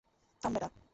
থাম, বেটা!